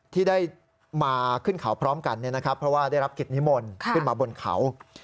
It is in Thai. ที่ได้มาขึ้นเขาพร้อมกันเพราะว่าได้รับกิจนิมนต์ขึ้นมาบนเขา